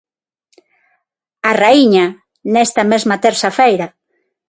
A raíña, nesta mesma terza feira.